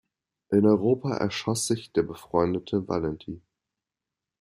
In Europa erschoss sich der befreundete Valenti.